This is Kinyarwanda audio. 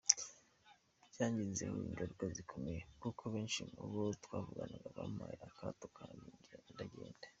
Byangizeho ingaruka zikomeye kuko benshi mu bo twavuganaga bampaye akato kandi ndengana.